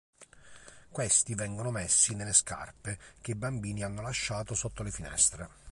Questi vengono messi nelle scarpe che i bambini hanno lasciato sotto le finestre.